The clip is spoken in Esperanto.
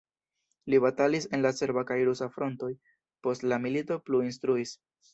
Li batalis en la serba kaj rusa frontoj, post la milito plu instruis.